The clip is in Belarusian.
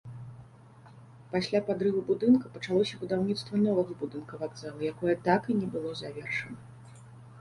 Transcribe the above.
Пасля падрыву будынка пачалося будаўніцтва новага будынка вакзала, якое так і не было завершана.